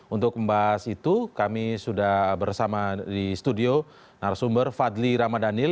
untuk membahas itu kami sudah bersama di studio narasumber fadli ramadhanil